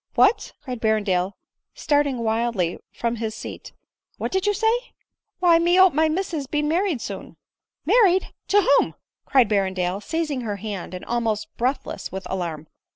" What !" cried Berrendale, starting wildly from his seat, " what did you say ?"" Why, me ope my missess be married soon." " Married ! to whom ?" cried Berrendale, seizing her hand, and almost breathless with alarm.